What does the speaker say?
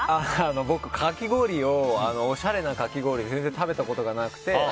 僕、おしゃれなかき氷を全然食べたことがなくて。